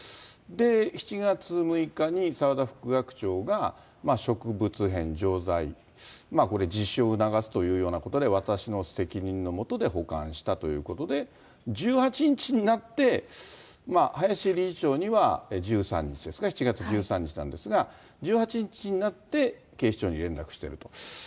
７月６日に澤田副学長が植物片、錠剤、これ、自首を促すというようなことで、私の責任の下で保管したということで、１８日になって、林理事長には１３日ですね、７月１３日なんですが、１８日になって警視庁に連絡してると。